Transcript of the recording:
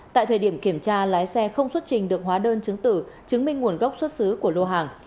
tại thời điểm kiểm tra lái xe không xuất trình được hóa đơn chứng tử chứng minh nguồn gốc xuất xứ của lô hàng